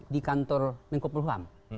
di kantor mengkopul hukam